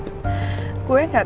tidak ada peromongan pun